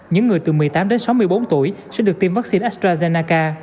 những người từ một mươi tám đến sáu mươi bốn tuổi sẽ được tiêm vaccine astrazennaca